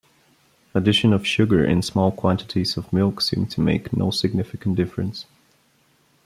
Addition of sugar and small quantities of milk seem to make no significant difference.